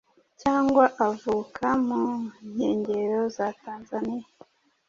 cyangwa avuka mu nkengero za Tanzania.